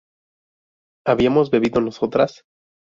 ¿habíamos bebido nosotras?